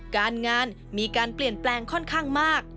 การงานมีการเปลี่ยนแปลงค่อนข้างมาก